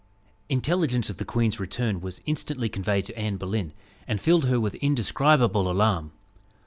Intelligence of the queen's return was instantly conveyed to Anne Boleyn, and filled her with indescribable alarm.